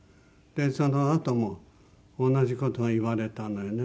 そのあとも同じ事を言われたのよね。